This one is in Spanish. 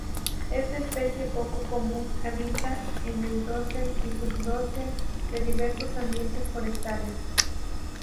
Esta especie, poco común, habita en el dosel y sub-dosel de diversos ambientes forestales.